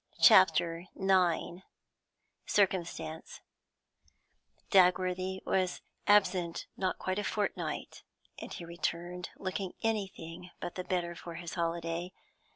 CHAPTER IX CIRCUMSTANCE Dagworthy was absent not quite a fortnight, and he returned looking anything but the better for his holiday.